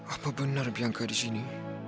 apa benar bianca disini